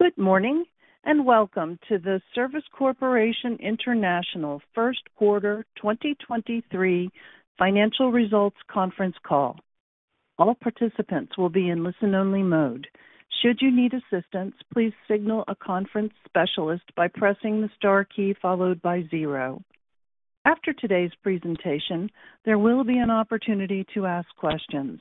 Good morning, and welcome to the Service Corporation International First Quarter 2023 Financial Results Conference Call. All participants will be in listen-only mode. Should you need assistance, please signal a conference specialist by pressing the star key followed by 0. After today's presentation, there will be an opportunity to ask questions.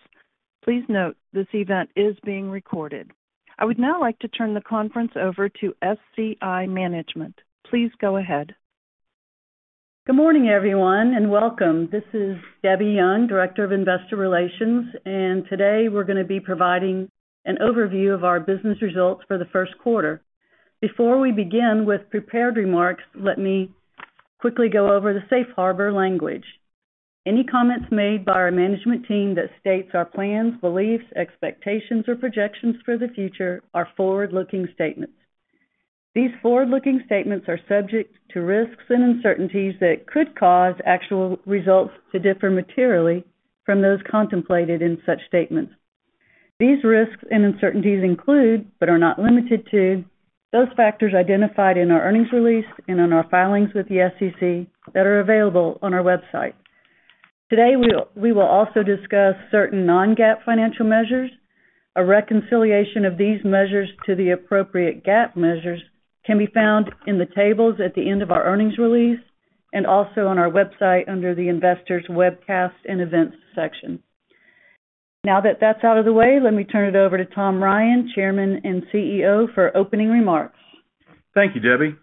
Please note this event is being recorded. I would now like to turn the conference over to SCI Management. Please go ahead. Good morning, everyone, welcome. This is Debbie Young, Director of Investor Relations. Today, we're gonna be providing an overview of our business results for the first quarter. Before we begin with prepared remarks, let me quickly go over the safe harbor language. Any comments made by our management team that states our plans, beliefs, expectations, or projections for the future are forward-looking statements. These forward-looking statements are subject to risks and uncertainties that could cause actual results to differ materially from those contemplated in such statements. These risks and uncertainties include, but are not limited to, those factors identified in our earnings release and in our filings with the SEC that are available on our website. Today, we will also discuss certain non-GAAP financial measures. A reconciliation of these measures to the appropriate GAAP measures can be found in the tables at the end of our earnings release and also on our website under the Investors Webcast and Events section. Now that that's out of the way, let me turn it over to Tom Ryan, Chairman and CEO, for opening remarks. Thank you, Debbie.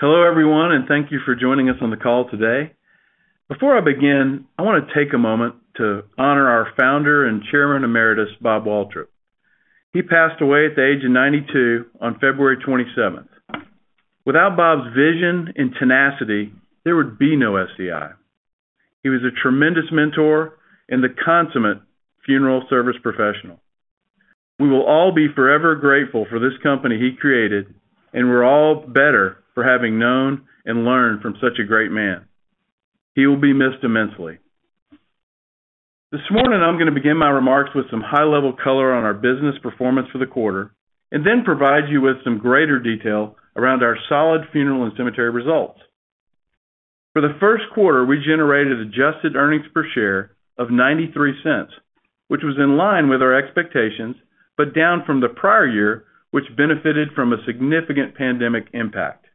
Hello, everyone, and thank you for joining us on the call today. Before I begin, I wanna take a moment to honor our founder and Chairman Emeritus, Bob Waltrip. He passed away at the age of 92 on February 27th. Without Bob's vision and tenacity, there would be no SCI. He was a tremendous mentor and the consummate funeral service professional. We will all be forever grateful for this company he created, and we're all better for having known and learned from such a great man. He will be missed immensely. This morning, I'm gonna begin my remarks with some high-level color on our business performance for the quarter and then provide you with some greater detail around our solid funeral and cemetery results. For the first quarter, we generated adjusted earnings per share of $0.93, which was in line with our expectations, but down from the prior year, which benefited from a significant pandemic impact.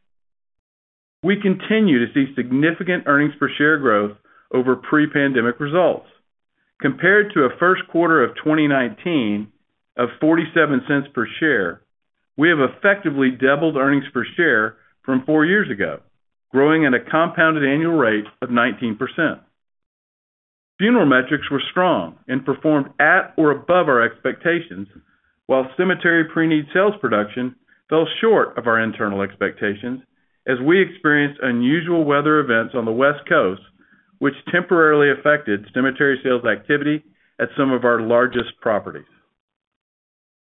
We continue to see significant earnings per share growth over pre-pandemic results. Compared to a first quarter of 2019 of $0.47 per share, we have effectively doubled earnings per share from 4 years ago, growing at a compounded annual rate of 19%. Funeral metrics were strong and performed at or above our expectations, while cemetery preneed sales production fell short of our internal expectations as we experienced unusual weather events on the West Coast, which temporarily affected cemetery sales activity at some of our largest properties.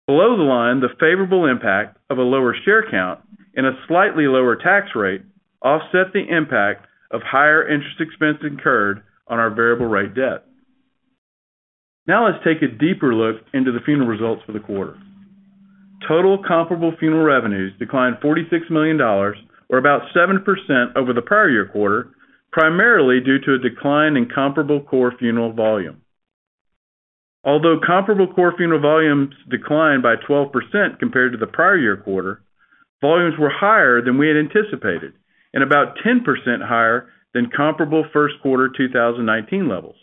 Below the line, the favorable impact of a lower share count and a slightly lower tax rate offset the impact of higher interest expense incurred on our variable rate debt. Let's take a deeper look into the funeral results for the quarter. Total comparable funeral revenues declined $46 million or about 7% over the prior year quarter, primarily due to a decline in comparable core funeral volume. Although comparable core funeral volumes declined by 12% compared to the prior year quarter, volumes were higher than we had anticipated and about 10% higher than comparable first quarter 2019 levels.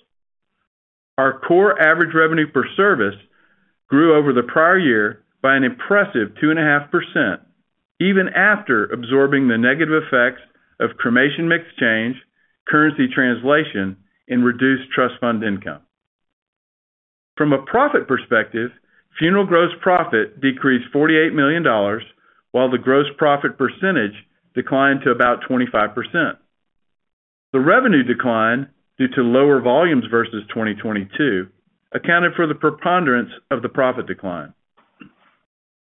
Our core average revenue per service grew over the prior year by an impressive 2.5%, even after absorbing the negative effects of cremation mix change, currency translation, and reduced trust fund income. From a profit perspective, funeral gross profit decreased $48 million, while the gross profit percentage declined to about 25%. The revenue decline, due to lower volumes versus 2022, accounted for the preponderance of the profit decline.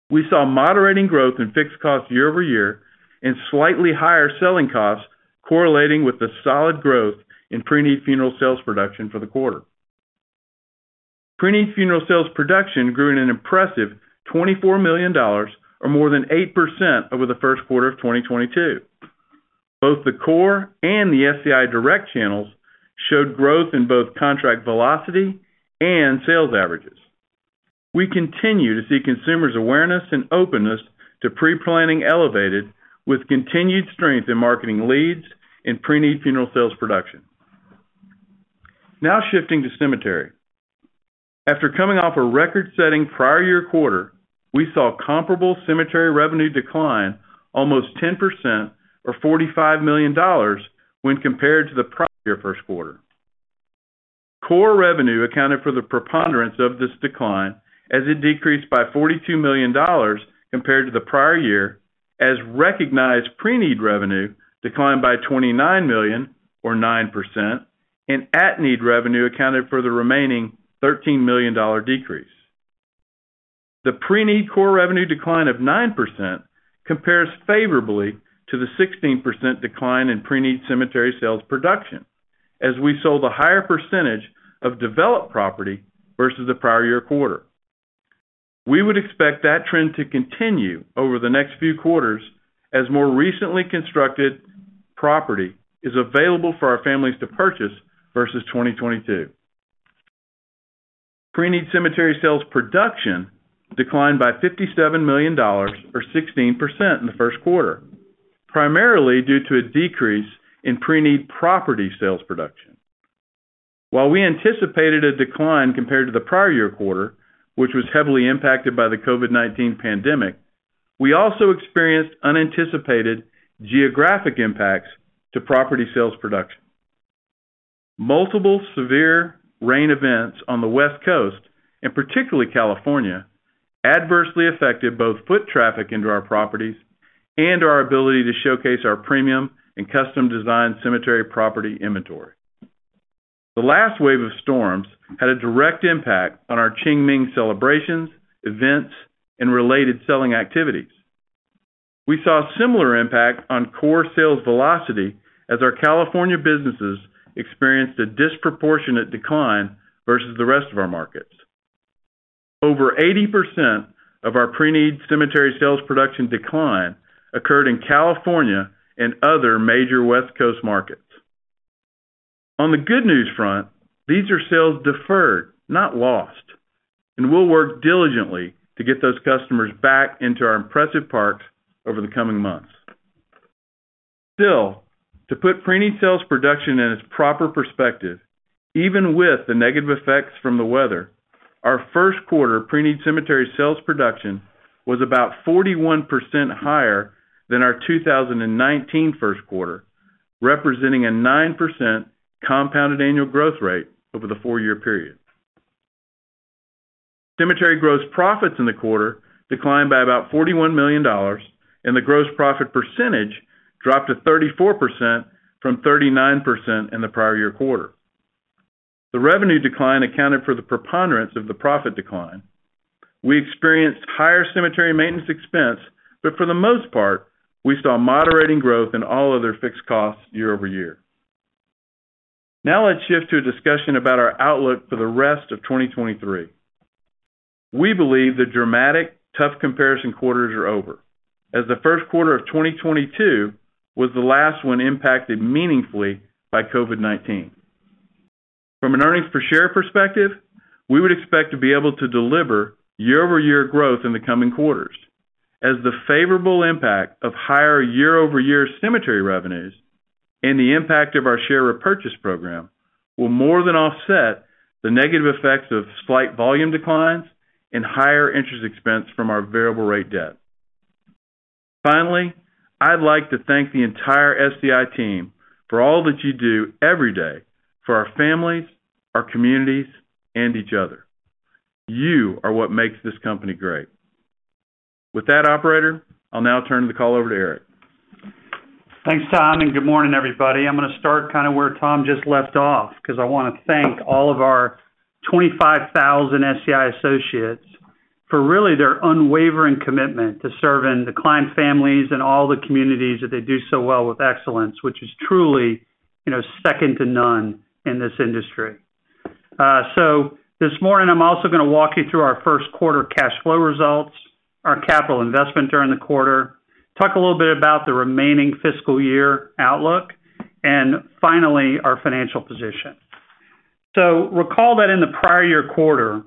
We saw moderating growth in fixed costs year-over-year and slightly higher selling costs correlating with the solid growth in pre-need funeral sales production for the quarter. Pre-need funeral sales production grew in an impressive $24 million or more than 8% over the first quarter of 2022. Both the core and the SCI Direct channels showed growth in both contract velocity and sales averages. We continue to see consumers' awareness and openness to pre-planning elevated with continued strength in marketing leads and pre-need funeral sales production. Now shifting to cemetery. After coming off a record-setting prior year quarter, we saw comparable cemetery revenue decline almost 10% or $45 million when compared to the prior year first quarter. Core revenue accounted for the preponderance of this decline as it decreased by $42 million compared to the prior year as recognized pre-need revenue declined by $29 million or 9%, and at-need revenue accounted for the remaining $13 million decrease. The pre-need core revenue decline of 9% compares favorably to the 16% decline in pre-need cemetery sales production as we sold a higher percentage of developed property versus the prior year quarter. We would expect that trend to continue over the next few quarters as more recently constructed property is available for our families to purchase versus 2022. Pre-need cemetery sales production declined by $57 million, or 16% in the first quarter, primarily due to a decrease in pre-need property sales production. While we anticipated a decline compared to the prior year quarter, which was heavily impacted by the COVID-19 pandemic, we also experienced unanticipated geographic impacts to property sales production. Multiple severe rain events on the West Coast, and particularly California, adversely affected both foot traffic into our properties and our ability to showcase our premium and custom design cemetery property inventory. The last wave of storms had a direct impact on our Qingming celebrations, events, and related selling activities. We saw similar impact on core sales velocity as our California businesses experienced a disproportionate decline versus the rest of our markets. Over 80% of our pre-need cemetery sales production decline occurred in California and other major West Coast markets. On the good news front, these are sales deferred, not lost, and we'll work diligently to get those customers back into our impressive parks over the coming months. To put pre-need sales production in its proper perspective, even with the negative effects from the weather, our first quarter pre-need cemetery sales production was about 41% higher than our 2019 first quarter, representing a 9% compounded annual growth rate over the four-year period. Cemetery gross profits in the quarter declined by about $41 million. The gross profit percentage dropped to 34% from 39% in the prior year quarter. The revenue decline accounted for the preponderance of the profit decline. We experienced higher cemetery maintenance expense. For the most part, we saw moderating growth in all other fixed costs year-over-year. Now let's shift to a discussion about our outlook for the rest of 2023. We believe the dramatic, tough comparison quarters are over as the first quarter of 2022 was the last one impacted meaningfully by COVID-19. From an earnings per share perspective, we would expect to be able to deliver year-over-year growth in the coming quarters as the favorable impact of higher year-over-year cemetery revenues and the impact of our share repurchase program will more than offset the negative effects of slight volume declines and higher interest expense from our variable rate debt. Finally, I'd like to thank the entire SCI team for all that you do every day for our families, our communities, and each other. You are what makes this company great. With that, operator, I'll now turn the call over to Eric. Thanks, Tom. Good morning, everybody. I'm gonna start kind of where Tom just left off because I wanna thank all of our 25,000 SCI associates for really their unwavering commitment to serving the client families and all the communities that they do so well with excellence, which is truly, you know, second to none in this industry. This morning, I'm also gonna walk you through our first quarter cash flow results, our capital investment during the quarter, talk a little bit about the remaining fiscal year outlook, and finally, our financial position. Recall that in the prior year quarter,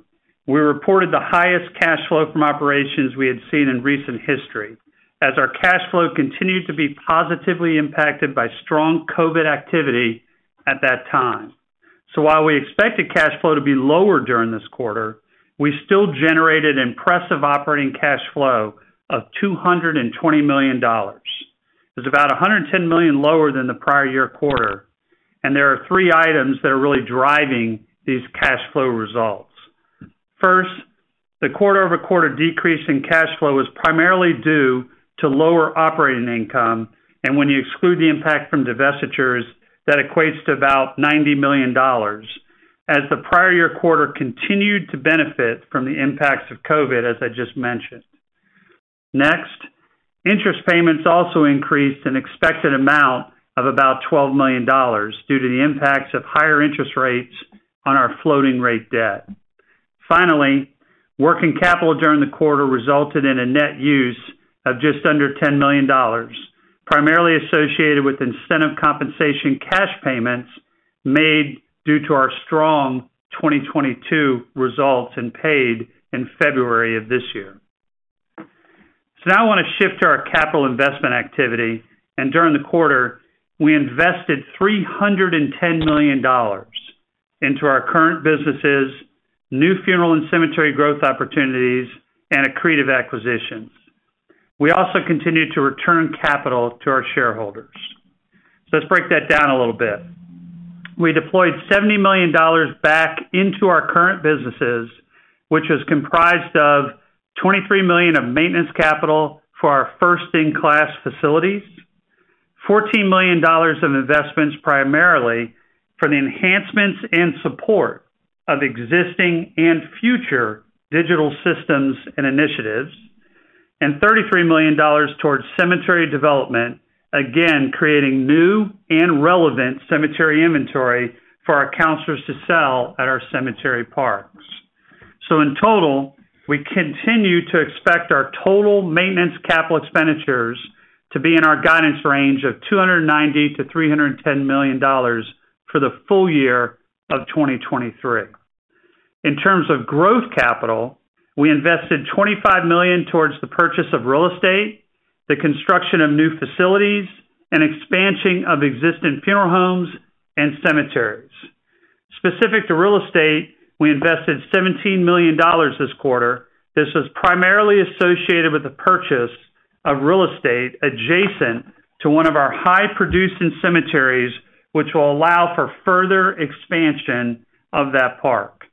we reported the highest cash flow from operations we had seen in recent history as our cash flow continued to be positively impacted by strong COVID-19 activity at that time. While we expected cash flow to be lower during this quarter, we still generated impressive operating cash flow of $220 million. It's about $110 million lower than the prior year quarter, and there are three items that are really driving these cash flow results. First, the quarter-over-quarter decrease in cash flow is primarily due to lower operating income, and when you exclude the impact from divestitures, that equates to about $90 million as the prior year quarter continued to benefit from the impacts of COVID-19, as I just mentioned. Interest payments also increased an expected amount of about $12 million due to the impacts of higher interest rates on our floating rate debt. Finally, working capital during the quarter resulted in a net use of just under $10 million, primarily associated with incentive compensation cash payments made due to our strong 2022 results and paid in February of this year. Now I wanna shift to our capital investment activity, and during the quarter, we invested $310 million into our current businesses, new funeral and cemetery growth opportunities, and accretive acquisitions. We also continued to return capital to our shareholders. Let's break that down a little bit. We deployed $70 million back into our current businesses, which is comprised of $23 million of maintenance capital for our first-in-class facilities. $14 million of investments primarily for the enhancements and support of existing and future digital systems and initiatives, and $33 million towards cemetery development, again, creating new and relevant cemetery inventory for our counselors to sell at our cemetery parks. In total, we continue to expect our total maintenance capital expenditures to be in our guidance range of $290 million-$310 million for the full year of 2023. In terms of growth capital, we invested $25 million towards the purchase of real estate, the construction of new facilities, and expansion of existing funeral homes and cemeteries. Specific to real estate, we invested $17 million this quarter. This was primarily associated with the purchase of real estate adjacent to one of our high-producing cemeteries, which will allow for further expansion of that park.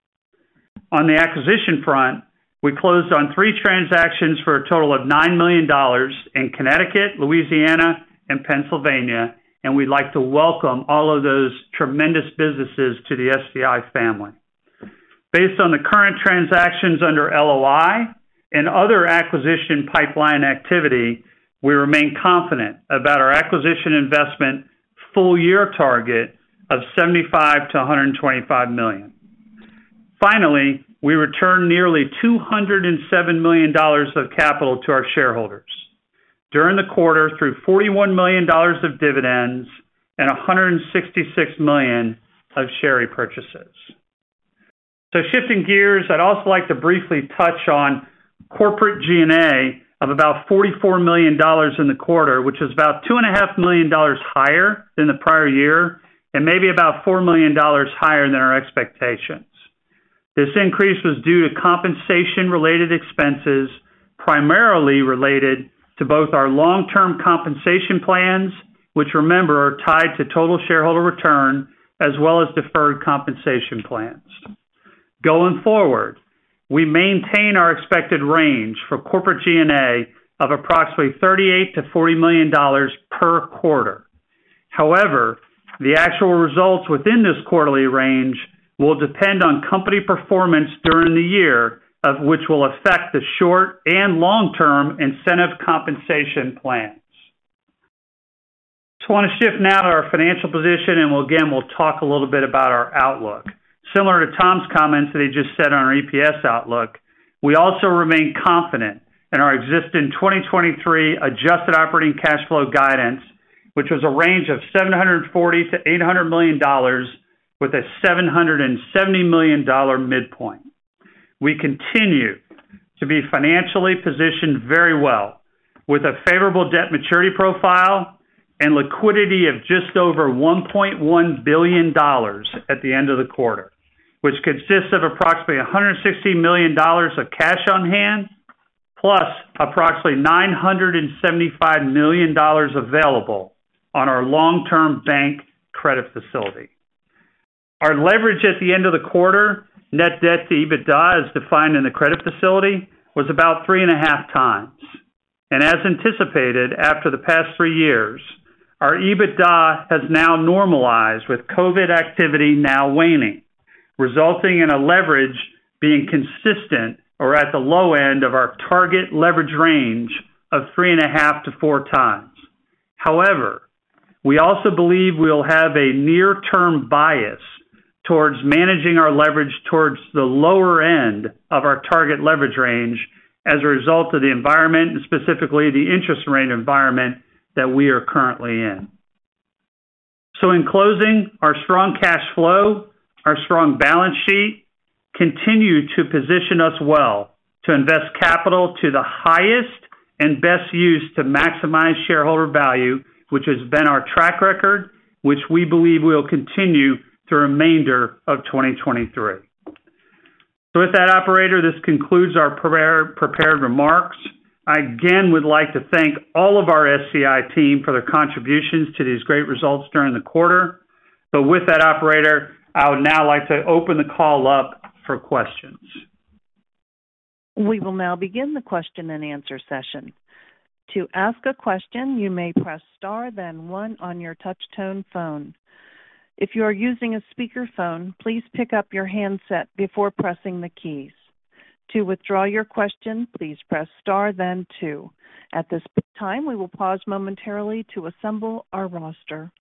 On the acquisition front, we closed on 3 transactions for a total of $9 million in Connecticut, Louisiana, and Pennsylvania, and we'd like to welcome all of those tremendous businesses to the SCI family. Based on the current transactions under LOI and other acquisition pipeline activity, we remain confident about our acquisition investment full-year target of $75 million-$125 million. Finally, we returned nearly $207 million of capital to our shareholders during the quarter through $41 million of dividends and $166 million of share repurchases. Shifting gears, I'd also like to briefly touch on corporate G&A of about $44 million in the quarter, which is about two and a half million dollars higher than the prior year and maybe about $4 million higher than our expectations. This increase was due to compensation-related expenses, primarily related to both our long-term compensation plans, which remember are tied to total shareholder return, as well as deferred compensation plans. Going forward, we maintain our expected range for corporate G&A of approximately $38 million-$40 million per quarter. However, the actual results within this quarterly range will depend on company performance during the year, of which will affect the short- and long-term incentive compensation plans. I want to shift now to our financial position, and again, we'll talk a little bit about our outlook. Similar to Tom's comments that he just said on our EPS outlook, we also remain confident in our existing 2023 adjusted operating cash flow guidance, which was a range of $740 million-$800 million with a $770 million midpoint. We continue to be financially positioned very well with a favorable debt maturity profile and liquidity of just over $1.1 billion at the end of the quarter, which consists of approximately $160 million of cash on hand, plus approximately $975 million available on our long-term bank credit facility. Our leverage at the end of the quarter, net debt to EBITDA, as defined in the credit facility, was about three and a half times. As anticipated, after the past 3 years, our EBITDA has now normalized with COVID activity now waning, resulting in a leverage being consistent or at the low end of our target leverage range of 3.5-4x. However, we also believe we'll have a near-term bias towards managing our leverage towards the lower end of our target leverage range as a result of the environment, and specifically the interest rate environment that we are currently in. In closing, our strong cash flow, our strong balance sheet continue to position us well to invest capital to the highest and best use to maximize shareholder value, which has been our track record, which we believe will continue through remainder of 2023. With that, operator, this concludes our prepared remarks. I again would like to thank all of our SCI team for their contributions to these great results during the quarter. With that, operator, I would now like to open the call up for questions. We will now begin the question-and-answer session. To ask a question, you may press star, then one on your touch tone phone. If you are using a speakerphone, please pick up your handset before pressing the keys. To withdraw your question, please press star then two. At this time, we will pause momentarily to assemble our roster.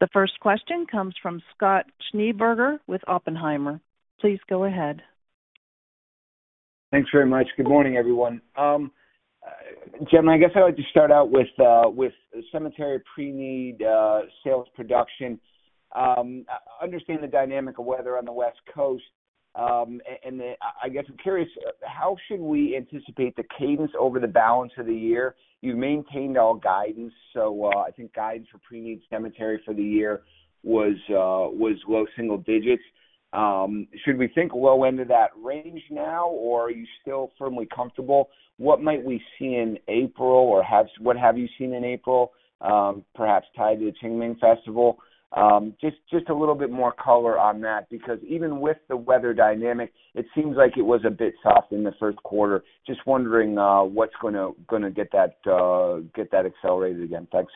The first question comes from Scott Schneeberger with Oppenheimer. Please go ahead. Thanks very much. Good morning, everyone. Jim, I guess I'd like to start out with cemetery pre-need sales production. I understand the dynamic of weather on the West Coast, and I guess I'm curious, how should we anticipate the cadence over the balance of the year? You've maintained all guidance, I think guidance for pre-need cemetery for the year was low single digits. Should we think low end of that range now, or are you still firmly comfortable? What might we see in April, or what have you seen in April, perhaps tied to the Qingming Festival? Just a little bit more color on that, because even with the weather dynamic, it seems like it was a bit soft in the first quarter. Just wondering, what's gonna get that accelerated again? Thanks.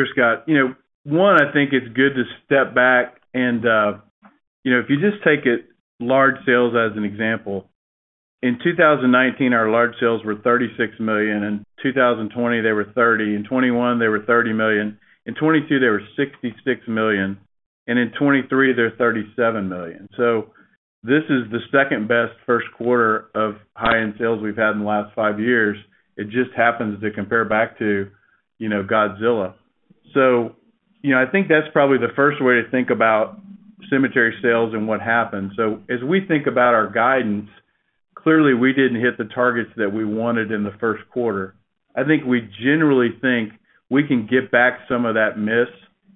Sure, Scott. You know, one, I think it's good to step back and, you know, if you just take it large sales as an example, in 2019, our large sales were $36 million. In 2020, they were $30 million. In 2021, they were $30 million. In 2022, they were $66 million. In 2023, they're $37 million. This is the second-best first quarter of high-end sales we've had in the last five years. It just happens to compare back to, you know, Godzilla. You know, I think that's probably the first way to think about cemetery sales and what happened. As we think about our guidance, clearly, we didn't hit the targets that we wanted in the first quarter. I think we generally think we can get back some of that miss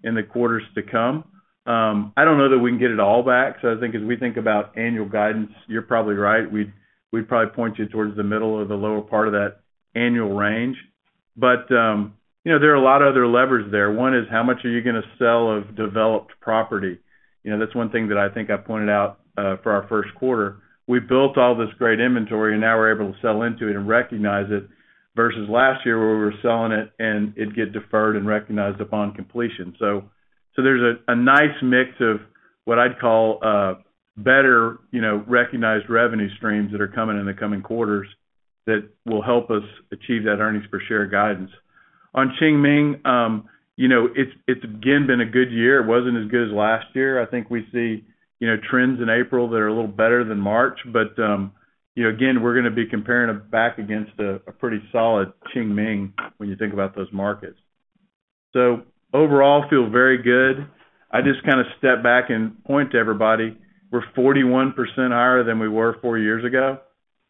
in the quarters to come. I don't know that we can get it all back. I think as we think about annual guidance, you're probably right, we'd probably point you towards the middle or the lower part of that annual range. You know, there are a lot of other levers there. One is how much are you gonna sell of developed property? You know, that's one thing that I think I pointed out for our first quarter. We built all this great inventory, and now we're able to sell into it and recognize it, versus last year where we were selling it and it'd get deferred and recognized upon completion. There's a nice mix of what I'd call better, you know, recognized revenue streams that are coming in the coming quarters that will help us achieve that earnings per share guidance. On Qingming, you know, it's again been a good year. It wasn't as good as last year. I think we see, you know, trends in April that are a little better than March, but, you know, again, we're gonna be comparing it back against a pretty solid Qingming when you think about those markets. Overall, feel very good. I just kinda step back and point to everybody, we're 41% higher than we were 4 years ago,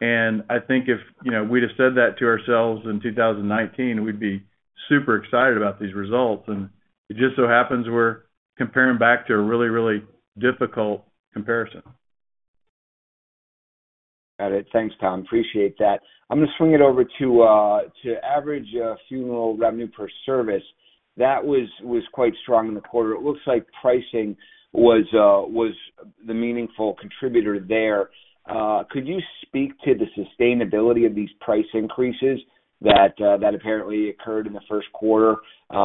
and I think if, you know, we'd have said that to ourselves in 2019, we'd be super excited about these results. It just so happens we're comparing back to a really difficult comparison. Got it. Thanks, Tom. Appreciate that. I'm gonna swing it over to average funeral revenue per service. That was quite strong in the quarter. It looks like pricing was the meaningful contributor there. Could you speak to the sustainability of these price increases that apparently occurred in the first quarter? You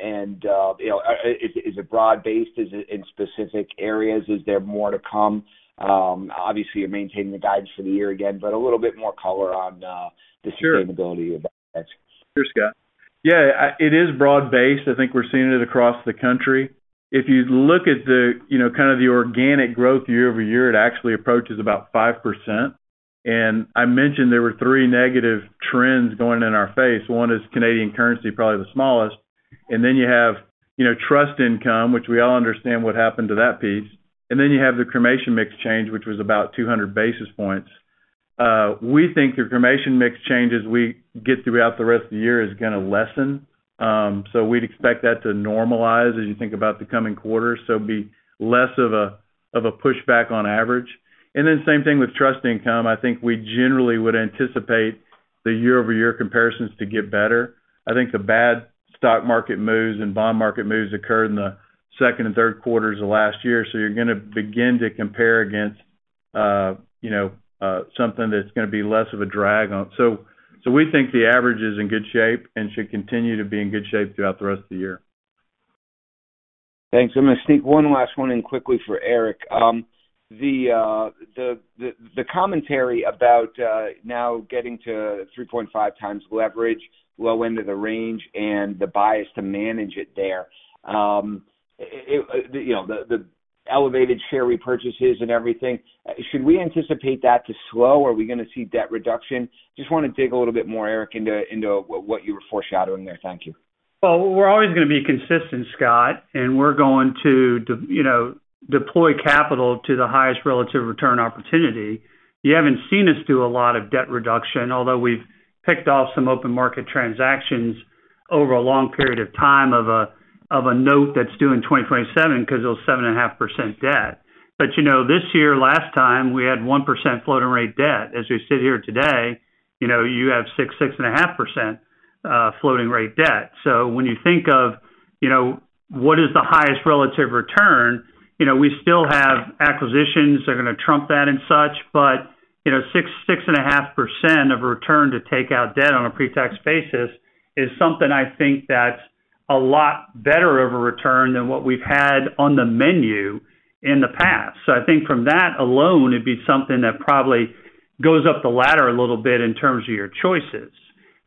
know, is it broad-based? Is it in specific areas? Is there more to come? Obviously, you're maintaining the guidance for the year again, but a little bit more color on. Sure... sustainability of that. Sure, Scott. Yeah. It is broad-based. I think we're seeing it across the country. If you look at the, you know, kind of the organic growth year-over-year, it actually approaches about 5%. I mentioned there were three negative trends going in our face. One is Canadian currency, probably the smallest. You have, you know, trust income, which we all understand what happened to that piece. You have the cremation mix change, which was about 200 basis points. We think the cremation mix changes we get throughout the rest of the year is gonna lessen. We'd expect that to normalize as you think about the coming quarters, so be less of a pushback on average. Same thing with trust income. I think we generally would anticipate the year-over-year comparisons to get better. I think the bad stock market moves and bond market moves occurred in the second and third quarters of last year. You're gonna begin to compare against, you know, something that's gonna be less of a drag on. We think the average is in good shape and should continue to be in good shape throughout the rest of the year. Thanks. I'm gonna sneak one last one in quickly for Eric. The commentary about now getting to 3.5x leverage, low end of the range and the bias to manage it there, you know, the elevated share repurchases and everything, should we anticipate that to slow? Are we gonna see debt reduction? Just wanna dig a little bit more, Eric, into what you were foreshadowing there. Thank you. We're always gonna be consistent, Scott, and we're going to you know, deploy capital to the highest relative return opportunity. You haven't seen us do a lot of debt reduction, although we've picked off some open market transactions over a long period of time of a note that's due in 2027 because it was 7.5% debt. You know, this year, last time, we had 1% floating rate debt. As we sit here today, you know, you have 6.5% floating rate debt. When you think of, you know, what is the highest relative return, you know, we still have acquisitions that are gonna trump that and such, but, you know, 6.5% of return to take out debt on a pre-tax basis is something I think that's a lot better of a return than what we've had on the menu in the past. I think from that alone, it'd be something that probably goes up the ladder a little bit in terms of your choices.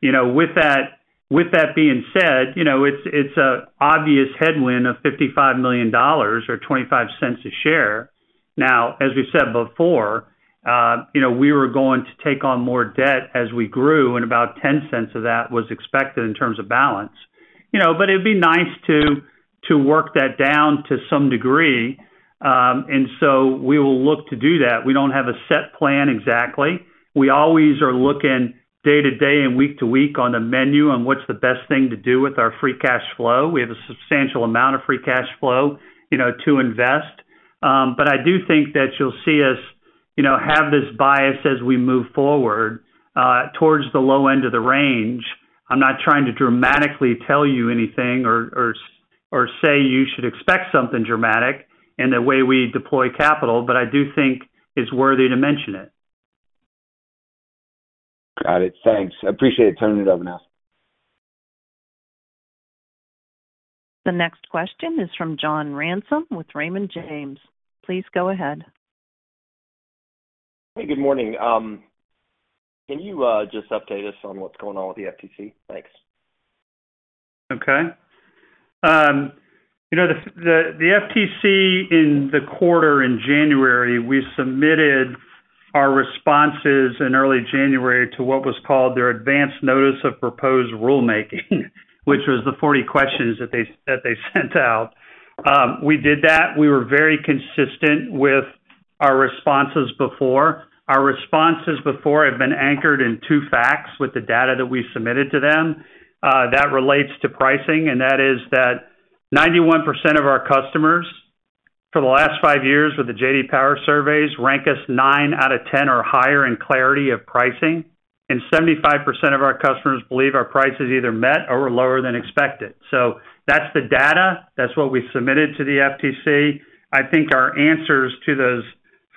You know, with that, with that being said, you know, it's a obvious headwind of $55 million or $0.25 a share. As we said before, you know, we were going to take on more debt as we grew, and about $0.10 of that was expected in terms of balance. You know, it'd be nice to work that down to some degree. We will look to do that. We don't have a set plan exactly. We always are looking day to day and week to week on the menu on what's the best thing to do with our free cash flow. We have a substantial amount of free cash flow, you know, to invest. I do think that you'll see us, you know, have this bias as we move forward towards the low end of the range. I'm not trying to dramatically tell you anything or say you should expect something dramatic in the way we deploy capital, I do think it's worthy to mention it. Got it. Thanks. I appreciate it. Turning it over now. The next question is from John Ransom with Raymond James. Please go ahead. Hey, good morning. Can you just update us on what's going on with the FTC? Thanks. Okay. you know, the FTC in the quarter in January, we submitted our responses in early January to what was called their Advance Notice of Proposed Rulemaking, which was the 40 questions that they sent out. We did that. We were very consistent with our responses before. Our responses before have been anchored in two facts with the data that we submitted to them, that relates to pricing, and that is that 91% of our customers for the last five years with the J.D. Power surveys rank us 9 out of 10 or higher in clarity of pricing, and 75% of our customers believe our prices either met or were lower than expected. That's the data. That's what we submitted to the FTC. I think our answers to those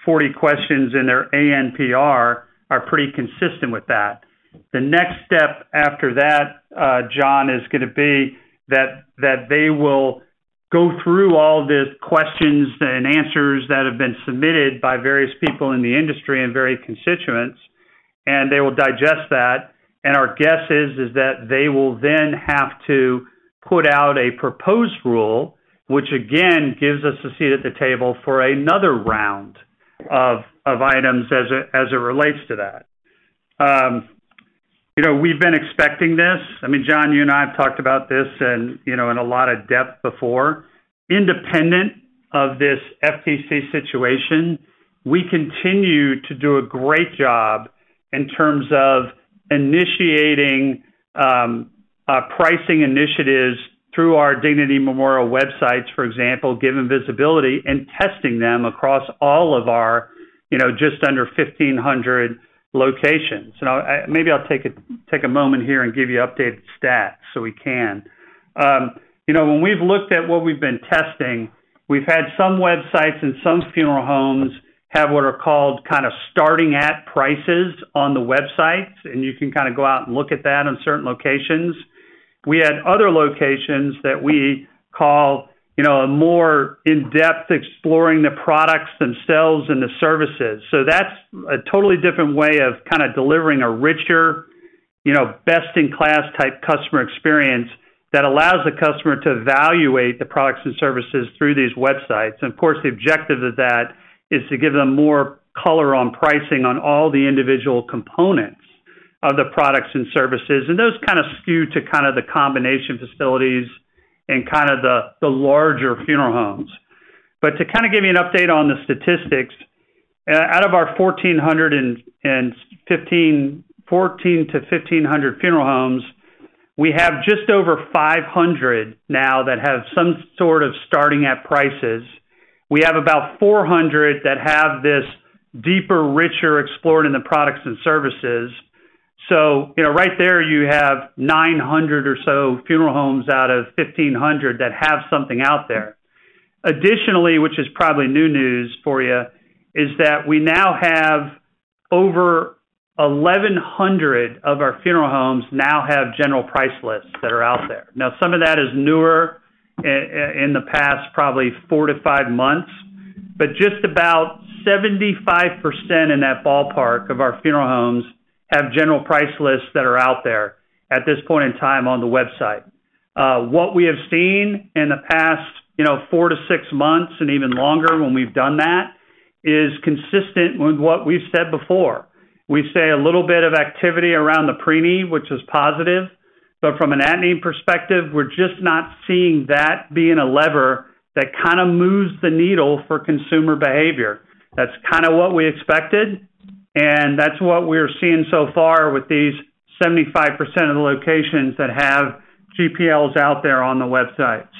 40 questions in their ANPR are pretty consistent with that. The next step after that, John, is gonna be that they will go through all the questions and answers that have been submitted by various people in the industry and various constituents, they will digest that. Our guess is that they will then have to put out a proposed rule, which again, gives us a seat at the table for another round of items as it relates to that. You know, we've been expecting this. I mean, John, you and I have talked about this and, you know, in a lot of depth before. Independent of this FTC situation, we continue to do a great job in terms of initiating pricing initiatives through our Dignity Memorial websites, for example, given visibility and testing them across all of our, you know, just under 1,500 locations. Now, maybe I'll take a moment here and give you updated stats so we can. You know, when we've looked at what we've been testing, we've had some websites and some funeral homes have what are called kind of starting at prices on the websites, and you can kinda go out and look at that on certain locations. We had other locations that we call, you know, a more in-depth exploring the products themselves and the services. That's a totally different way of kinda delivering a richer, you know, best-in-class type customer experience that allows the customer to evaluate the products and services through these websites. Of course, the objective of that is to give them more color on pricing on all the individual components of the products and services, and those kind of skew to kind of the combination facilities and kind of the larger funeral homes. To kind of give you an update on the statistics, out of our 1,400-1,500 funeral homes, we have just over 500 now that have some sort of starting at prices. We have about 400 that have this deeper, richer explored in the products and services. You know, right there you have 900 or so funeral homes out of 1,500 that have something out there. Additionally, which is probably new news for you, is that we now have over 1,100 of our funeral homes now have general price lists that are out there. Some of that is newer in the past probably 4-5 months, but just about 75% in that ballpark of our funeral homes have general price lists that are out there at this point in time on the website. What we have seen in the past, you know, 4-6 months and even longer when we've done that, is consistent with what we've said before. We say a little bit of activity around the preneed, which is positive. From an at-need perspective, we're just not seeing that being a lever that kind of moves the needle for consumer behavior. That's kinda what we expected, and that's what we're seeing so far with these 75% of the locations that have GPLs out there on the websites.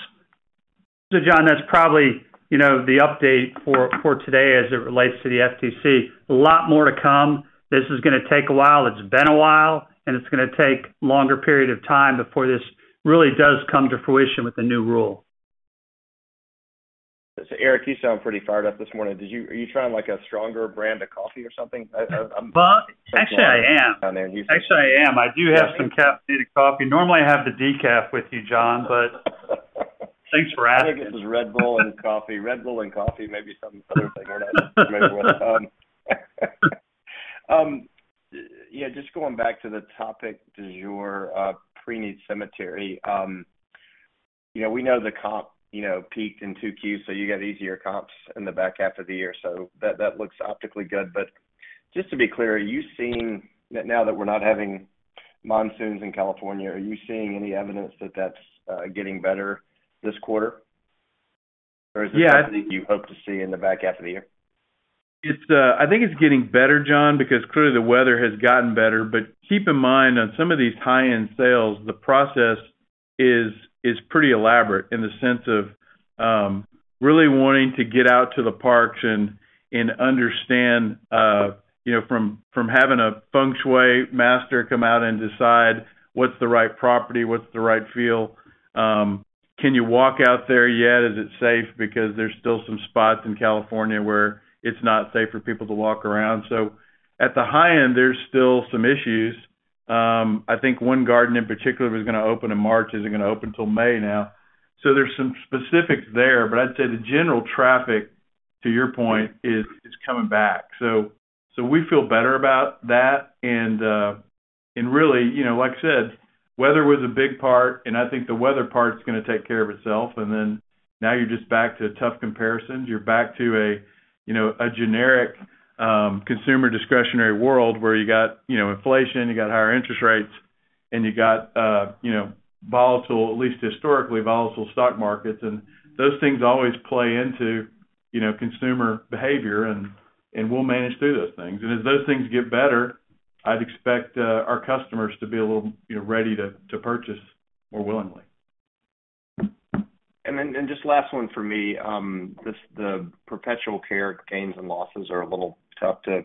John, that's probably, you know, the update for today as it relates to the FTC. A lot more to come. This is gonna take a while. It's been a while, and it's gonna take longer period of time before this really does come to fruition with the new rule. Eric, you sound pretty fired up this morning. Are you trying, like, a stronger brand of coffee or something? I. Well, actually I am. Actually, I am. I do have some caffeinated coffee. Normally, I have the decaf with you, John. Thanks for asking. I think it was Red Bull and coffee. Red Bull and coffee, maybe some other thing. Yeah, just going back to the topic, du jour, preneed cemetery. You know, we know the comp, you know, peaked in 2Q, so you got easier comps in the back half of the year. That looks optically good. Just to be clear, Now that we're not having monsoons in California, are you seeing any evidence that that's getting better this quarter? Yeah. Is there something you hope to see in the back half of the year? It's, I think it's getting better, John, because clearly the weather has gotten better. Keep in mind, on some of these high-end sales, the process is pretty elaborate in the sense of really wanting to get out to the parks and understand, you know, from having a feng shui master come out and decide what's the right property, what's the right feel. Can you walk out there yet? Is it safe? Because there's still some spots in California where it's not safe for people to walk around. At the high end, there's still some issues. I think one garden in particular was gonna open in March, isn't gonna open till May now. There's some specifics there, but I'd say the general traffic, to your point, is coming back. We feel better about that. Really, you know, like I said, weather was a big part, and I think the weather part's gonna take care of itself. Now you're just back to tough comparisons. You're back to a, you know, a generic consumer discretionary world where you got, you know, inflation, you got higher interest rates, and you got, you know, volatile, at least historically volatile stock markets. Those things always play into, you know, consumer behavior, and we'll manage through those things. As those things get better, I'd expect our customers to be a little, you know, ready to purchase more willingly. Just last one for me. Just the perpetual care gains and losses are a little tough to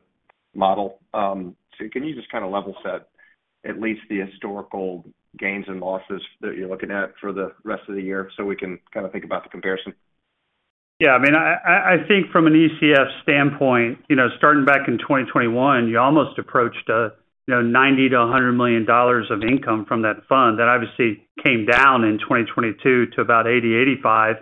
model. Can you just kind of level set at least the historical gains and losses that you're looking at for the rest of the year so we can kind of think about the comparison? Yeah. I mean, I think from an ECF standpoint, you know, starting back in 2021, you almost approached a, you know, $90 million-$100 million of income from that fund. That obviously came down in 2022 to about $80 million-$85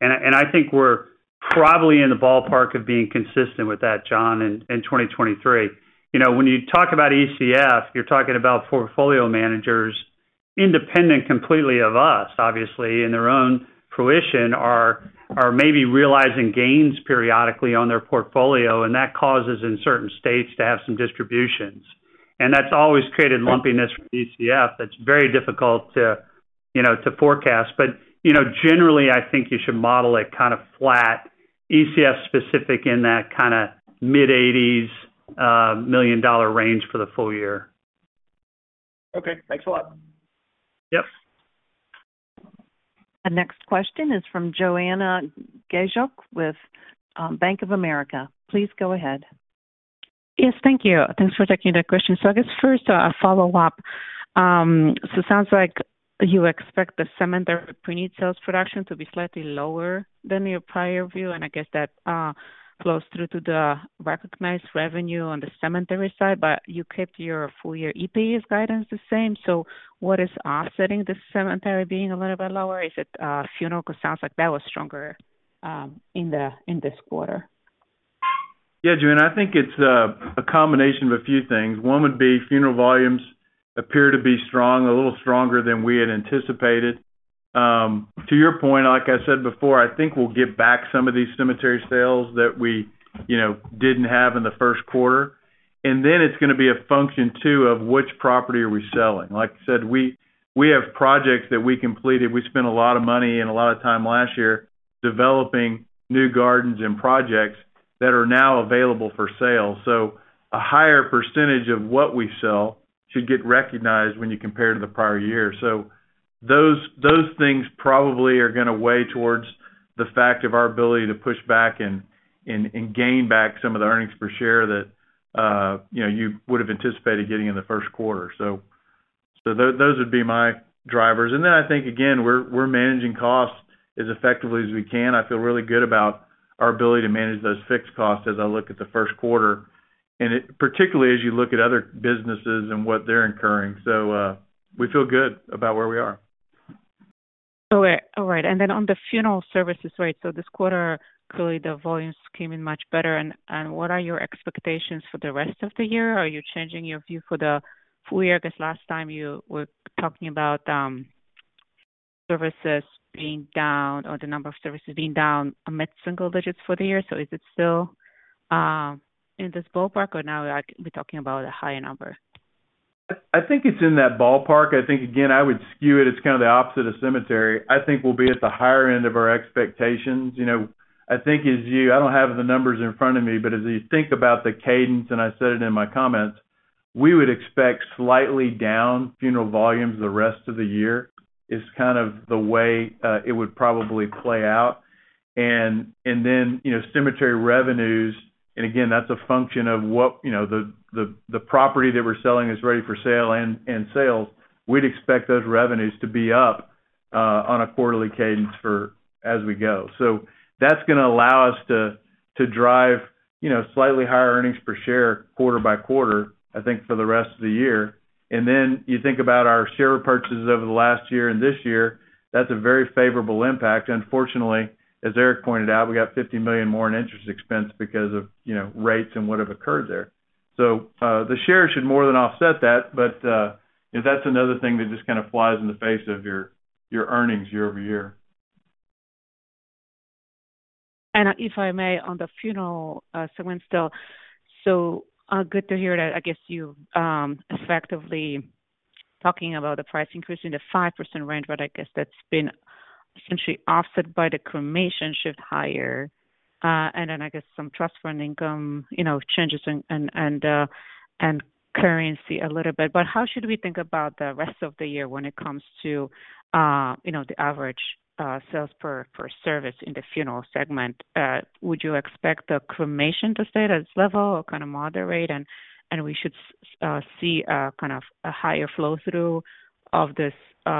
million. And I think we're probably in the ballpark of being consistent with that, John, in 2023. You know, when you talk about ECF, you're talking about portfolio managers, independent completely of us, obviously, in their own fruition are maybe realizing gains periodically on their portfolio, and that causes in certain states to have some distributions. That's always created lumpiness for ECF that's very difficult to, you know, to forecast. You know, generally, I think you should model it kind of flat, ECF specific in that kind of mid-$80 million range for the full year. Okay. Thanks a lot. Yep. The next question is from Joanna Gajuk with Bank of America. Please go ahead. Yes, thank you. Thanks for taking the question. I guess first a follow-up. It sounds like you expect the cemetery preneed sales production to be slightly lower than your prior view, and I guess that flows through to the recognized revenue on the cemetery side, but you kept your full-year EPS guidance the same. What is offsetting the cemetery being a little bit lower? Is it funeral? Because it sounds like that was stronger in this quarter. Joanna, I think it's a combination of a few things. One would be funeral volumes appear to be strong, a little stronger than we had anticipated. To your point, like I said before, I think we'll get back some of these cemetery sales that we, you know, didn't have in the first quarter. Then it's gonna be a function too, of which property are we selling. Like I said, we have projects that we completed. We spent a lot of money and a lot of time last year developing new gardens and projects that are now available for sale. A higher percentage of what we sell should get recognized when you compare to the prior year. Those things probably are gonna weigh towards the fact of our ability to push back and gain back some of the earnings per share that, you know, you would have anticipated getting in the first quarter. Those would be my drivers. I think, again, we're managing costs as effectively as we can. I feel really good about our ability to manage those fixed costs as I look at the first quarter. Particularly as you look at other businesses and what they're incurring. We feel good about where we are. All right. All right. On the funeral services rate, this quarter, clearly the volumes came in much better. What are your expectations for the rest of the year? Are you changing your view for the full year? Last time you were talking about services being down or the number of services being down mid-single digits for the year. Is it still in this ballpark, or now are we talking about a higher number? I think it's in that ballpark. I think, again, I would skew it. It's kind of the opposite of cemetery. I think we'll be at the higher end of our expectations. You know, I think I don't have the numbers in front of me, but as you think about the cadence, and I said it in my comments, we would expect slightly down funeral volumes the rest of the year, is kind of the way it would probably play out. Then, you know, cemetery revenues, and again, that's a function of what, you know, the property that we're selling is ready for sale and sales. We'd expect those revenues to be up on a quarterly cadence for as we go. That's gonna allow us to drive, you know, slightly higher earnings per share quarter by quarter, I think, for the rest of the year. Then you think about our share purchases over the last year and this year, that's a very favorable impact. Unfortunately, as Eric pointed out, we got $50 million more in interest expense because of, you know, rates and what have occurred there. The shares should more than offset that, but that's another thing that just kind of flies in the face of your earnings year-over-year. If I may, on the funeral segment still. Good to hear that, I guess you effectively talking about the price increase in the 5% range, but I guess that's been essentially offset by the cremation shift higher, and then I guess some trust fund income, you know, changes and, and currency a little bit. How should we think about the rest of the year when it comes to, you know, the average sales per service in the funeral segment? Would you expect the cremation to stay at its level or kind of moderate and we should see a kind of a higher flow through of this,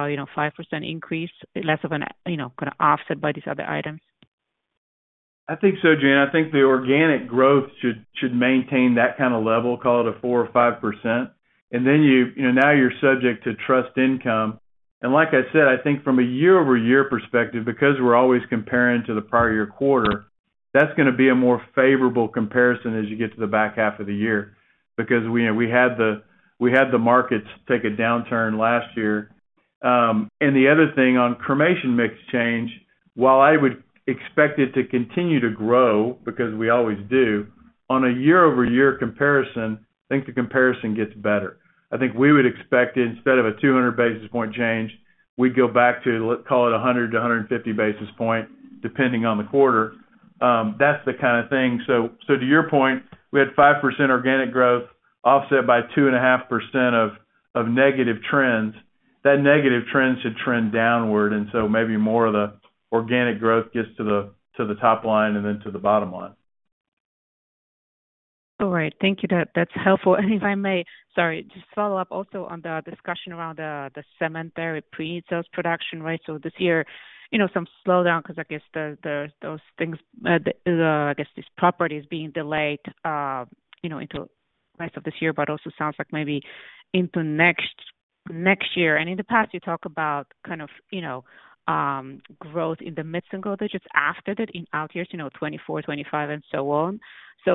you know, 5% increase, less of an, you know, kinda offset by these other items? I think so, Jane. I think the organic growth should maintain that kind of level, call it a 4% or 5%. You know, now you're subject to trust income. Like I said, I think from a year-over-year perspective, because we're always comparing to the prior year quarter, that's gonna be a more favorable comparison as you get to the back half of the year. We had the markets take a downturn last year. The other thing on cremation mix change, while I would expect it to continue to grow because we always do, on a year-over-year comparison, I think the comparison gets better. I think we would expect instead of a 200 basis point change, we'd go back to, let's call it a 100 to 150 basis point, depending on the quarter. That's the kind of thing. To your point, we had 5% organic growth offset by two and a half percent of negative trends. That negative trend should trend downward, maybe more of the organic growth gets to the top line and then to the bottom line. All right. Thank you. That's helpful. If I may, sorry, just follow up also on the discussion around the cemetery pre-sales production, right? This year, you know, some slowdown because I guess the, those things, the, I guess these properties being delayed, you know, into rest of this year, but also sounds like maybe into next year. In the past, you talk about kind of, you know, growth in the midst and growth just after that in out years, you know, 2024, 2025, and so on.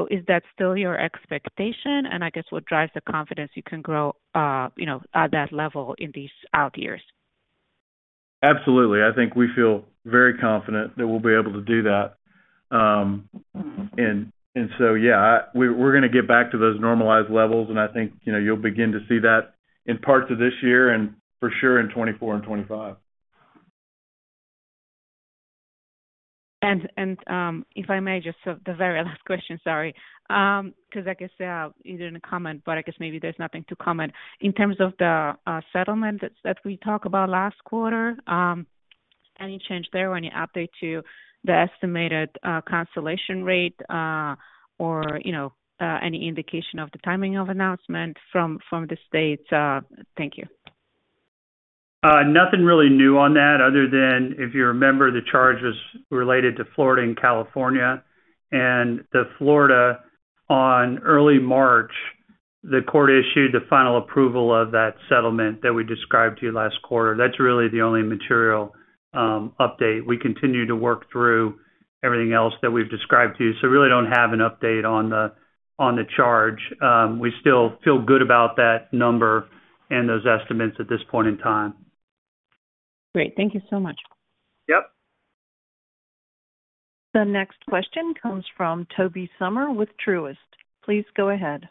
Is that still your expectation? I guess what drives the confidence you can grow, you know, at that level in these out years? Absolutely. I think we feel very confident that we'll be able to do that. Yeah, we're gonna get back to those normalized levels, and I think, you know, you'll begin to see that in parts of this year and for sure in 2024 and 2025. If I may just so the very last question, sorry. I guess, either in a comment, but I guess maybe there's nothing to comment. In terms of the settlement that we talked about last quarter, any change there or any update to the estimated consolation rate, or, you know, any indication of the timing of announcement from the states? Thank you. Nothing really new on that other than if you remember the charges related to Florida and California. The Florida on early March, the court issued the final approval of that settlement that we described to you last quarter. That's really the only material update. We continue to work through everything else that we've described to you, so we really don't have an update on the charge. We still feel good about that number and those estimates at this point in time. Great. Thank you so much. Yep. The next question comes from Tobey Sommer with Truist. Please go ahead.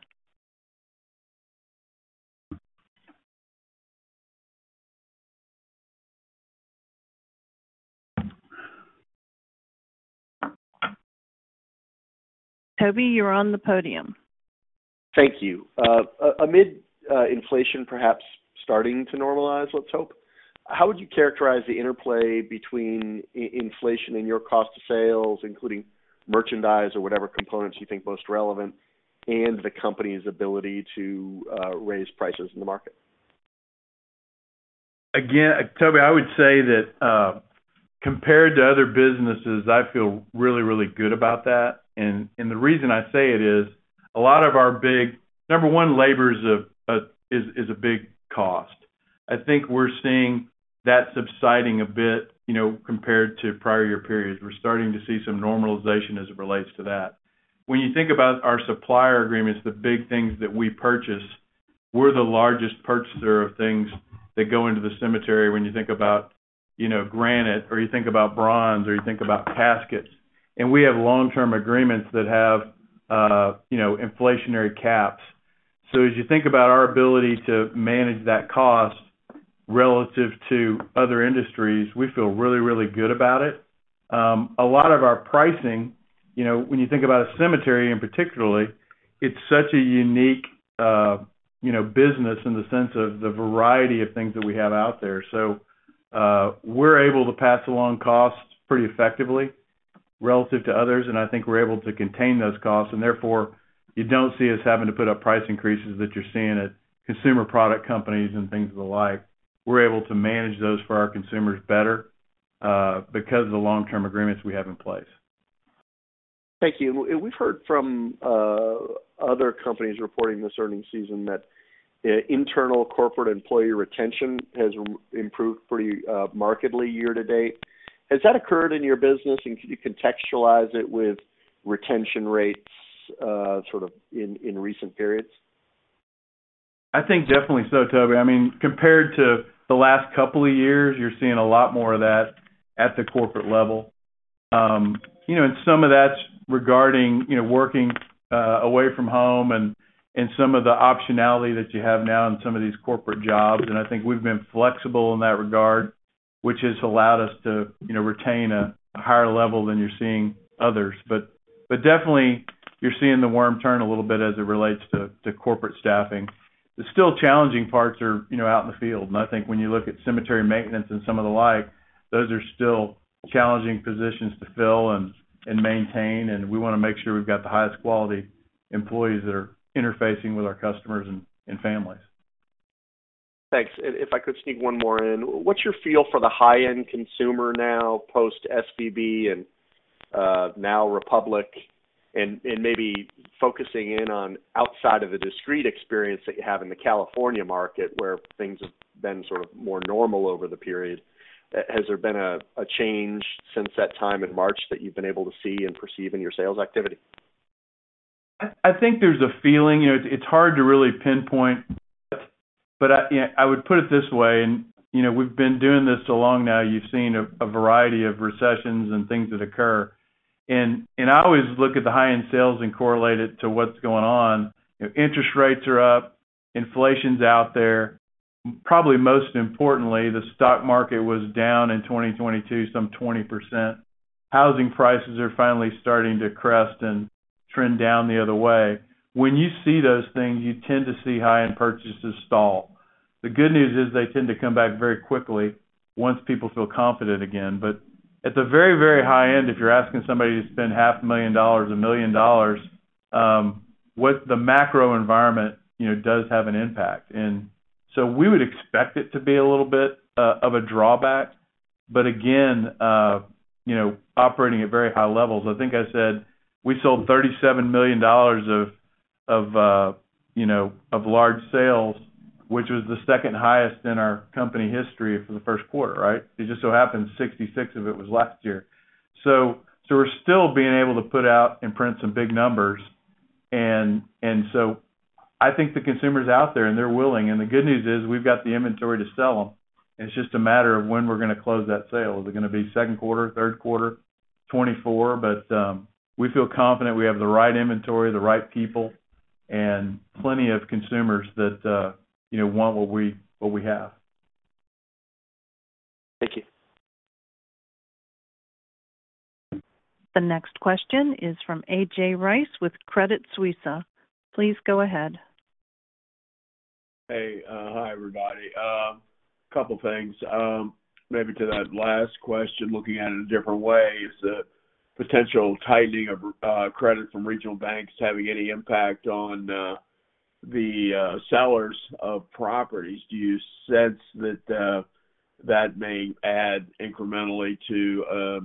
Toby, you're on the podium. Thank you. Amid inflation perhaps starting to normalize, let's hope, how would you characterize the interplay between inflation in your cost of sales, including merchandise or whatever components you think most relevant, and the company's ability to raise prices in the market? Again, Toby, I would say that, compared to other businesses, I feel really, really good about that. The reason I say it is a lot of our Number one, labor is a big cost. I think we're seeing that subsiding a bit, you know, compared to prior year periods. We're starting to see some normalization as it relates to that. When you think about our supplier agreements, the big things that we purchase, we're the largest purchaser of things that go into the cemetery when you think about, you know, granite or you think about bronze or you think about caskets. We have long-term agreements that have, you know, inflationary caps. As you think about our ability to manage that cost relative to other industries, we feel really, really good about it. A lot of our pricing, you know, when you think about a cemetery in particularly, it's such a unique, you know, business in the sense of the variety of things that we have out there. We're able to pass along costs pretty effectively relative to others. I think we're able to contain those costs, and therefore, you don't see us having to put up price increases that you're seeing at consumer product companies and things of the like. We're able to manage those for our consumers better, because of the long-term agreements we have in place. Thank you. We've heard from other companies reporting this earnings season that internal corporate employee retention has improved pretty markedly year to date. Has that occurred in your business, and can you contextualize it with retention rates sort of in recent periods? I think definitely so, Toby. I mean, compared to the last couple of years, you're seeing a lot more of that at the corporate level. You know, and some of that's regarding, you know, working away from home and some of the optionality that you have now in some of these corporate jobs. I think we've been flexible in that regard, which has allowed us to, you know, retain a higher level than you're seeing others. Definitely you're seeing the worm turn a little bit as it relates to corporate staffing. The still challenging parts are, you know, out in the field. I think when you look at cemetery maintenance and some of the like, those are still challenging positions to fill and maintain. We wanna make sure we've got the highest quality employees that are interfacing with our customers and families. Thanks. If I could sneak one more in. What's your feel for the high-end consumer now post SVB and now Republic? Maybe focusing in on outside of the discrete experience that you have in the California market where things have been sort of more normal over the period, has there been a change since that time in March that you've been able to see and perceive in your sales activity? I think there's a feeling. You know, it's hard to really pinpoint. I, you know, I would put it this way. You know, we've been doing this so long now, you've seen a variety of recessions and things that occur. I always look at the high-end sales and correlate it to what's going on. You know, interest rates are up, inflation's out there. Probably most importantly, the stock market was down in 2022, some 20%. Housing prices are finally starting to crest and trend down the other way. When you see those things, you tend to see high-end purchases stall. The good news is they tend to come back very quickly once people feel confident again. At the very, very high end, if you're asking somebody to spend half a million dollars, $1 million, what the macro environment, you know, does have an impact. We would expect it to be a little bit of a drawback. Again, you know, operating at very high levels. I think I said we sold $37 million of, you know, of large sales, which was the second highest in our company history for the first quarter, right? It just so happened $66 million of it was last year. We're still being able to put out and print some big numbers. I think the consumer's out there, and they're willing. The good news is we've got the inventory to sell them. It's just a matter of when we're gonna close that sale. Is it gonna be second quarter, third quarter, 2024? We feel confident we have the right inventory, the right people, and plenty of consumers that, you know, want what we, what we have. Thank you. The next question is from A.J. Rice with Credit Suisse. Please go ahead. Hey. Hi, everybody. Couple things. Maybe to that last question, looking at it a different way. Is the potential tightening of credit from regional banks having any impact on the sellers of properties? Do you sense that that may add incrementally to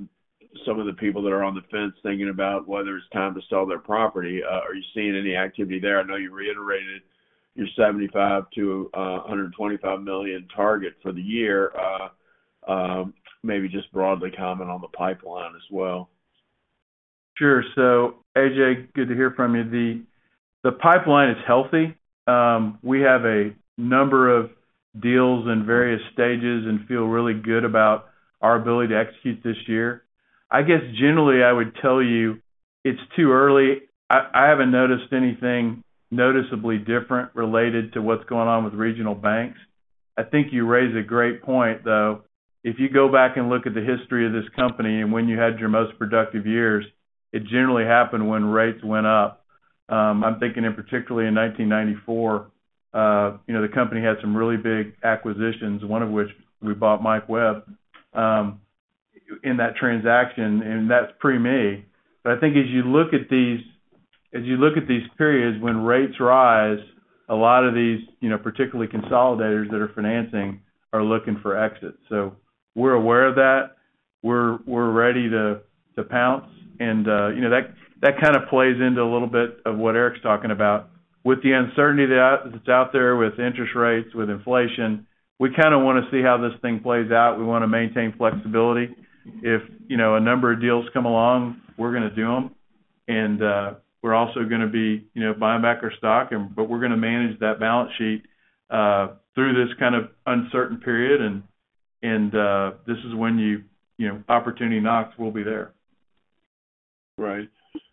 some of the people that are on the fence thinking about whether it's time to sell their property? Are you seeing any activity there? I know you reiterated your $75 million-$125 million target for the year. Maybe just broadly comment on the pipeline as well. Sure. AJ, good to hear from you. The, the pipeline is healthy. We have a number of deals in various stages and feel really good about our ability to execute this year. I guess generally I would tell you it's too early. I haven't noticed anything noticeably different related to what's going on with regional banks. I think you raise a great point, though. If you go back and look at the history of this company and when you had your most productive years, it generally happened when rates went up. I'm thinking in particularly in 1994, you know, the company had some really big acquisitions, one of which we bought Mike Webb in that transaction, and that's pre-me. I think as you look at these, as you look at these periods when rates rise, a lot of these, you know, particularly consolidators that are financing are looking for exits. We're aware of that. We're ready to pounce. You know, that kind of plays into a little bit of what Eric's talking about. With the uncertainty that's out there with interest rates, with inflation, we kinda wanna see how this thing plays out. We wanna maintain flexibility. If, you know, a number of deals come along, we're gonna do them. We're also gonna be, you know, buying back our stock but we're gonna manage that balance sheet, through this kind of uncertain period and, this is when you. You know, opportunity knocks, we'll be there.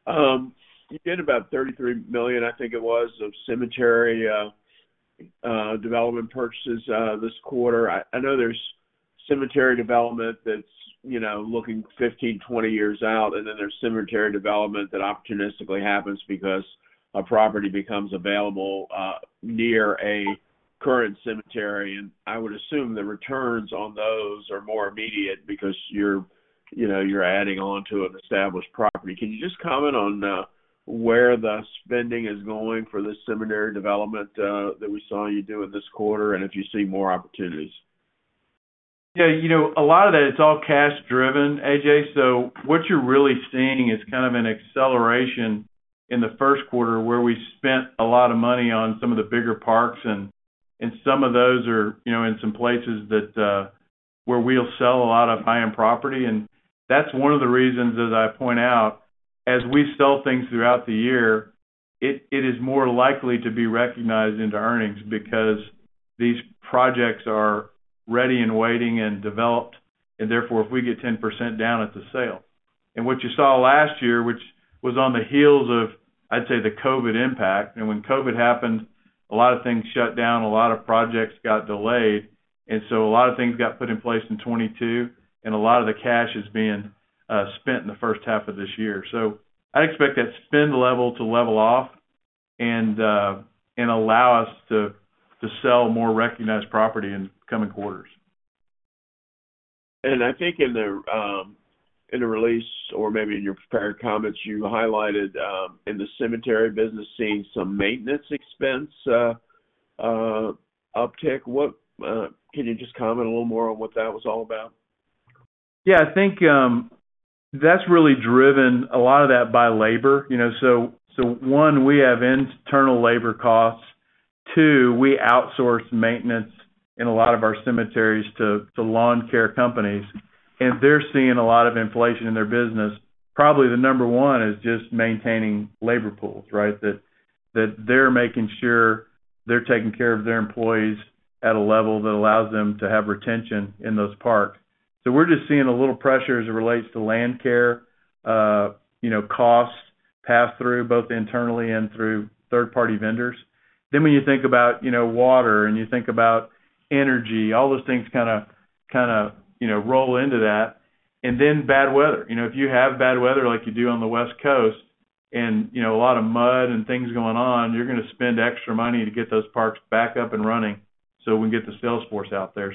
You did about $33 million, I think it was, of cemetery development purchases this quarter. I know there's cemetery development that's, you know, looking 15, 20 years out, and then there's cemetery development that opportunistically happens because a property becomes available near a current cemetery. I would assume the returns on those are more immediate because you're, you know, you're adding on to an established property. Can you just comment on where the spending is going for this cemetery development that we saw you do in this quarter, and if you see more opportunities? Yeah. You know, a lot of that, it's all cash driven, A.J., what you're really seeing is kind of an acceleration in the first quarter where we spent a lot of money on some of the bigger parks, and some of those are, you know, in some places that where we'll sell a lot of high-end property. That's one of the reasons, as I point out, as we sell things throughout the year, it is more likely to be recognized into earnings because these projects are ready and waiting and developed, and therefore, if we get 10% down, it's a sale. What you saw last year, which was on the heels of, I'd say, the COVID impact, and when COVID happened, a lot of things shut down, a lot of projects got delayed, and so a lot of things got put in place in 2022, and a lot of the cash is being spent in the first half of this year. I expect that spend level to level off and allow us to sell more recognized property in coming quarters. I think in the, in the release or maybe in your prepared comments, you highlighted in the cemetery business, seeing some maintenance expense uptick. What can you just comment a little more on what that was all about? Yeah, I think that's really driven a lot of that by labor, you know. 1, we have internal labor costs. 2, we outsource maintenance in a lot of our cemeteries to lawn care companies, and they're seeing a lot of inflation in their business. Probably the number one is just maintaining labor pools, right? That they're making sure they're taking care of their employees at a level that allows them to have retention in those parks. We're just seeing a little pressure as it relates to land care, you know, costs pass through both internally and through third-party vendors. When you think about, you know, water and you think about energy, all those things kinda, you know, roll into that. Bad weather. You know, if you have bad weather like you do on the West Coast and, you know, a lot of mud and things going on, you're gonna spend extra money to get those parks back up and running so we can get the sales force out there.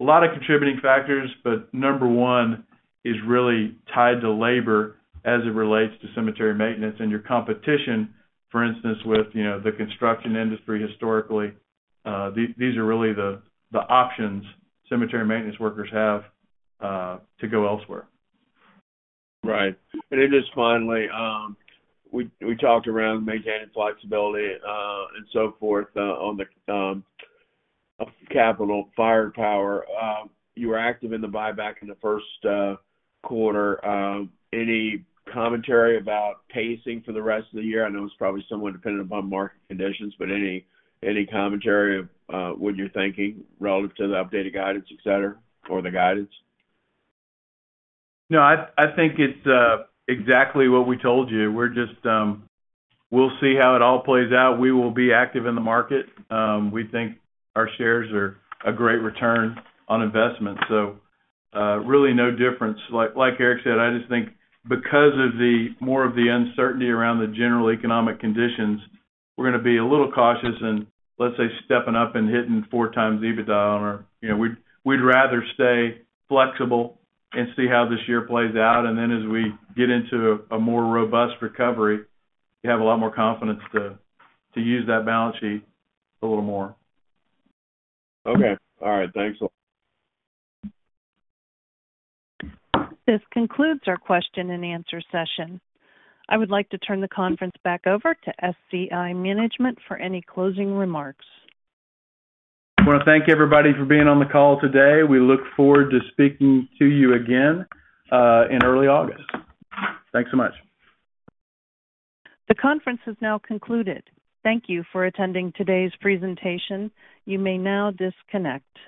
A lot of contributing factors, but number 1 is really tied to labor as it relates to cemetery maintenance and your competition, for instance, with, you know, the construction industry historically. These are really the options cemetery maintenance workers have to go elsewhere. Right. Just finally, we talked around maintenance flexibility, and so forth, on the, capital firepower. You were active in the buyback in the first, quarter. Any commentary about pacing for the rest of the year? I know it's probably somewhat dependent upon market conditions, but any commentary of, what you're thinking relative to the updated guidance, et cetera, or the guidance? No, I think it's exactly what we told you. We're just... We'll see how it all plays out. We will be active in the market. We think our shares are a great return on investment. Really no difference. Like, like Eric said, I just think because of the more of the uncertainty around the general economic conditions, we're gonna be a little cautious in, let's say, stepping up and hitting 4x EBITDA on our... You know, we'd rather stay flexible and see how this year plays out. Then as we get into a more robust recovery, we have a lot more confidence to use that balance sheet a little more. Okay. All right. Thanks a lot. This concludes our question and answer session. I would like to turn the conference back over to SCI Management for any closing remarks. I wanna thank everybody for being on the call today. We look forward to speaking to you again, in early August. Thanks so much. The conference has now concluded. Thank you for attending today's presentation. You may now disconnect.